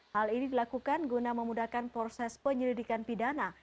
hal ini dilakukan guna memudahkan proses penyelidikan pidana